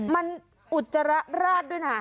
มันอุจจรรย์ด้วยน่ะ